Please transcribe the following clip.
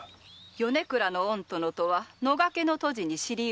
米倉の御殿とは野駆けの途次に知り合うた。